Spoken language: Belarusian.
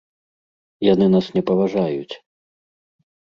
Яны нас не паважаюць.